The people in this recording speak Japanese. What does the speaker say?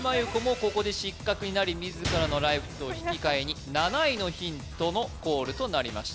ここで失格になり自らのライフと引き換えに７位のヒントのコールとなりました